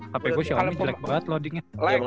hp gue shownya jelek banget loadingnya